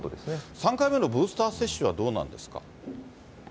３回目のブースター接種はどうなんですか。